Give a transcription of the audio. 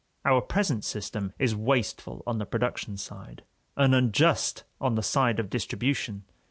Our present system is wasteful on the production side, and unjust on the side of distribution.